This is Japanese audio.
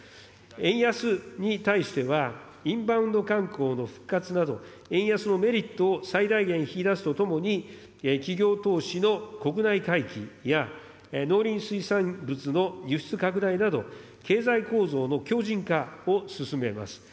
円安に対しては、インバウンド観光の復活など、円安のメリットを最大限引き出すとともに、企業投資の国内回帰や、農林水産物の輸出拡大など、経済構造の強じん化を進めます。